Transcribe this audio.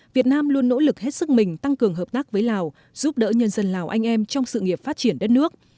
việt nam luôn nỗ lực hết sức mình tăng cường hợp tác với lào giúp đỡ nhân dân lào anh em trong sự nghiệp phát triển đất nước